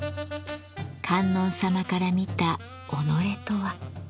観音様から見た己とは。